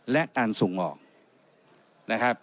และการส่งออก